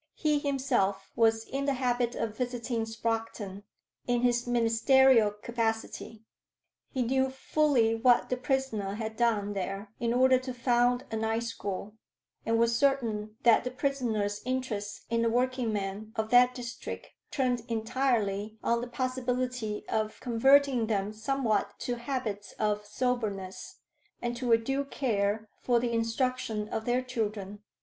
He himself was in the habit of visiting Sproxton in his ministerial capacity: he knew fully what the prisoner had done there in order to found a night school, and was certain that the prisoner's interest in the workingmen of that district turned entirely on the possibility of converting them somewhat to habits of soberness and to a due care for the instruction of their children.